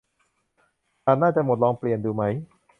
ถ่านน่าจะหมด ลองเปลี่ยนดูไหม